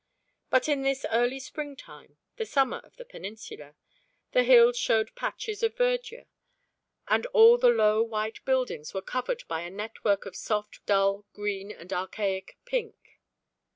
But in this early springtime the summer of the peninsula the hills showed patches of verdure, and all the low white buildings were covered by a network of soft dull green and archaic pink.